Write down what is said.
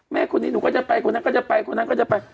แม่คนนี้หนูก็จะไปคนนั้นก็จะไปคนนั้นก็จะไป